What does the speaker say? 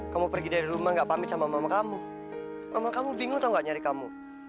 kamu pergi dari rumah gak pamit sama mama kamu mama kamu bingung atau nggak nyari kamu